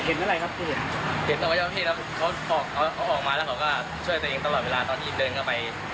เขาออกมาแล้วพ่อแม่ข้าก็ช่วยตัวเองตลอดเวลา